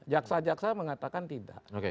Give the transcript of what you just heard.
jaksa jaksa mengatakan tidak